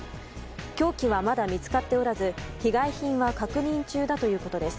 凶器はまだ見つかっておらず被害品は確認中だということです。